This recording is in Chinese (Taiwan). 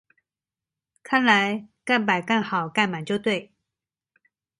看來蓋板蓋好蓋滿就對